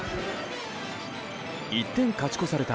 １点勝ち越された